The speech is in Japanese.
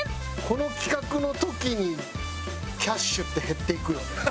この企画の時にキャッシュって減っていくよね。